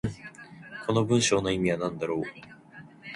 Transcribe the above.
この文章の意味は何だろう。